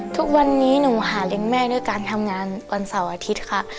ทุกวันนี้หนูหาเลี้ยงแม่ด้วยการทำงานวันเสาร์อาทิตย์ค่ะ